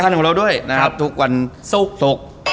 รายการเราด้วยทุกวันสุก